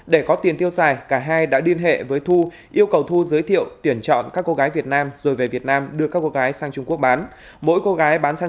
để có tiền tiêu dài cả hai đã điên hệ với thu yêu cầu thu giới thiệu tuyển chọn các cô gái việt nam rồi về việt nam đưa các cô gái sang trung quốc bán